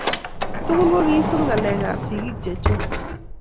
tugul ko kiisub ngalek ab sigik chechwak